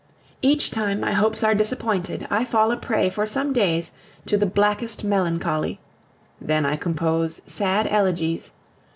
Each time my hopes are disappointed, I fall a prey for some days to the blackest melancholy. Then I compose sad elegies.